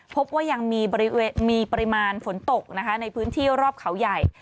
พบว่ายังมีปริมาณฝนตกนะคะในพื้นที่รอบเขาใหญ่